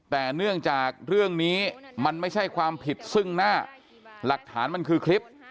แต่เนื่องจากเรื่องนี้มันไม่ใช่ความผิดซึ่งหน้าหลักฐานมันคือคลิป